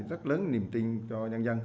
rất lớn niềm tin cho nhân dân